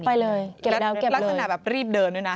ไปเลยเก็บแล้วรักษณะแบบรีบเดินด้วยนะ